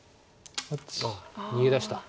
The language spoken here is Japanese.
ああ逃げ出した。